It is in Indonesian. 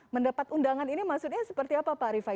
mendapat undangan ini maksudnya seperti apa pak rifai